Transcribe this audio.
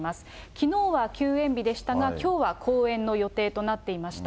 きのうは休演日でしたが、きょうは公演の予定となっていました。